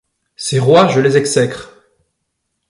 Ces rois, je les exècre!